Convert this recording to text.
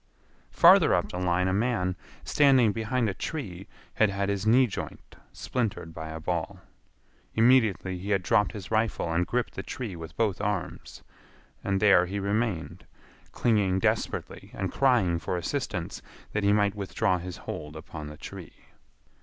Farther up the line a man, standing behind a tree, had had his knee joint splintered by a ball. Immediately he had dropped his rifle and gripped the tree with both arms. And there he remained, clinging desperately and crying for assistance that he might withdraw his hold upon the tree.